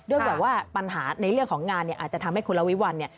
แบบว่าปัญหาในเรื่องของงานเนี่ยอาจจะทำให้คุณละวิวัลเนี่ย